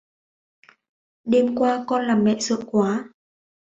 đêm qua con làm mẹ sợ quá